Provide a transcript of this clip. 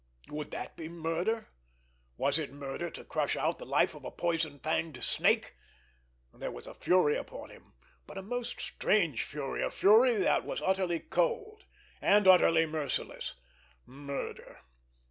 Would that be murder? Was it murder to crush out the life of a poison fanged snake! There was a fury upon him, but a most strange fury, a fury that was utterly cold—and utterly merciless. Murder!